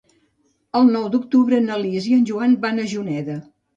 El nou d'octubre na Lis i en Joan van a Juneda.